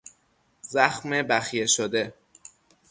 زخم بخیه شده